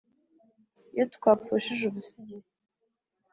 iyo twapfushije ubusa igihe